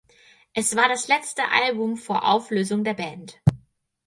Es war das letzte Album vor Auflösung der Band.